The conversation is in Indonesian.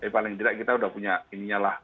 paling tidak kita sudah punya ininya lah